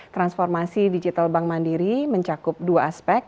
transformasi digital bank mandiri mencakup dua aspek